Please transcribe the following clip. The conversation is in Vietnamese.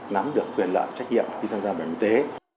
nắm được quyền lợi trách nhiệm khi tham gia bảo hiểm y tế